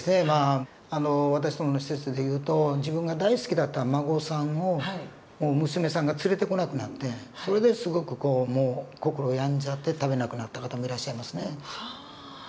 まあ私どもの施設で言うと自分が大好きだったお孫さんを娘さんが連れてこなくなってそれですごく心病んじゃって食べなくなった方もいらっしゃいますね。